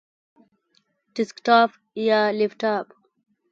ډیسکټاپ یا لپټاپ؟